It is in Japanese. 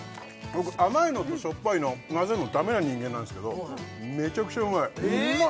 僕甘いのとしょっぱいの混ぜるのダメな人間なんですけどメチャクチャうまい！